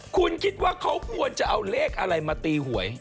คุณคิดว่าเขาควรจะเอาเลขอะไรมาตีหวย